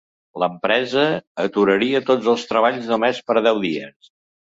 L'empresa aturaria tots els treballs només per deu dies.